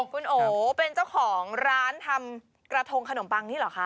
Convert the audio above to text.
คุณโอเป็นเจ้าของร้านทำกระทงขนมปังนี่เหรอคะ